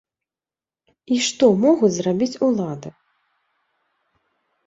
І што могуць зрабіць улады?